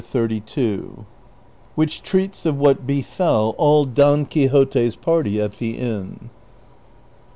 CHAPTEE XXXII. WHICH TREATS OF WHAT BEFELL ALL DOX QUIXOTE's PARTY AT THE INN.